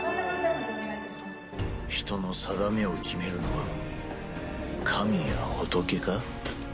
人のさだめを決めるのは神や仏か？